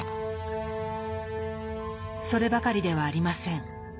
そればかりではありません。